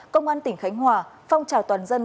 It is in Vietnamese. công an tỉnh khánh hòa phong trào toàn dân